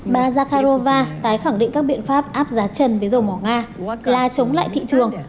bà zakharova tái khẳng định các biện pháp áp giá trần với dầu mỏ nga là chống lại thị trường